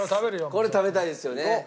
これは食べたいですよね。